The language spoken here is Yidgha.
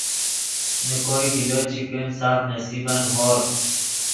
نے کوئے گلو چے کن سف نصیبن ہورغ